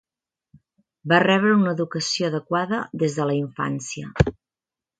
Va rebre una educació adequada des de la infància.